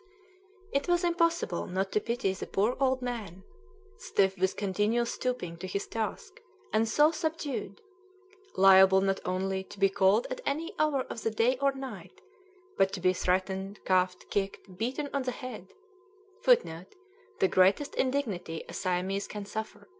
It was impossible not to pity the poor old man, stiff with continual stooping to his task, and so subdued! liable not only to be called at any hour of the day or night, but to be threatened, cuffed, kicked, beaten on the head, [Footnote: The greatest indignity a Siamese can suffer.